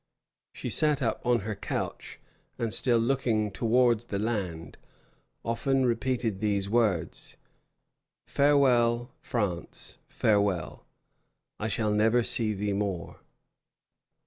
She sat up on her couch, and still looking towards the land, often repeated these words: "Farewell, France, farewell, I shall never see thee more."